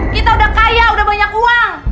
kita udah kaya udah banyak uang